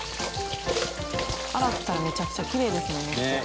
洗ったらめちゃくちゃきれいですね根っこ。